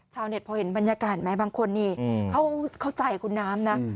พอเห็นบรรยากาศไหมบางคนนี่เข้าใจคุณน้ำนะ